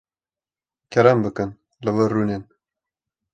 Kerem bikin, li vir rûnin.